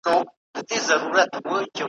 په واسکټ چي یې ښایستې حوري وېشلې ,